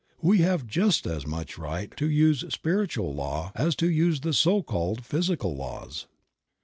We have just as much right to use spiritual law as to use so called physical laws.